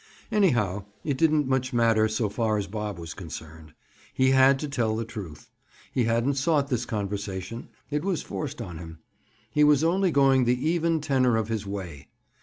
Anyhow, it didn't much matter so far as Bob was concerned. He had to tell the truth. He hadn't sought this conversation. It was forced on him. He was only going the "even tenor of his way."